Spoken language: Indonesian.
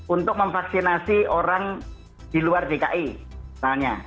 untuk memvaksinasi orang di luar dki misalnya